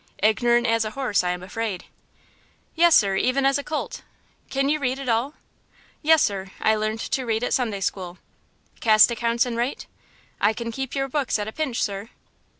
Ignorant as a horse, I am afraid." "Yes, sir; even as a colt." "Can you read at all?" "Yes, sir; I learned to read at Sunday school." "Cast accounts and write?" "I can keep your books at a pinch, sir."